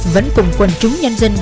vẫn cùng quần chúng nhân dân